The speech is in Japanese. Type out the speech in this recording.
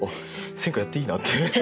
選歌やっていいなって。